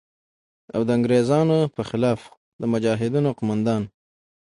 او د انگریزانو په خلاف د مجاهدینو قوماندان